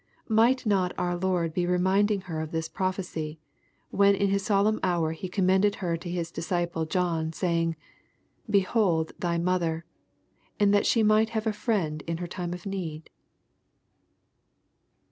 Might not our Lord be reminding her of this prophecy, when in that solemn hour He commended her to His disciple John, saying, " Behold thy mother," — in order that she might have a friend in )ier time of need